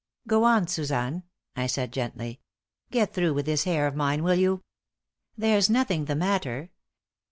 "Go on, Suzanne," I said, gently. "Get through with this hair of mine, will you? There's nothing the matter.